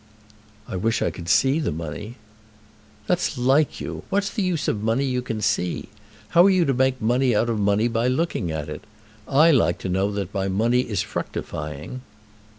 "I wish I could see the money." "That's like you. What's the use of money you can see? How are you to make money out of money by looking at it? I like to know that my money is fructifying."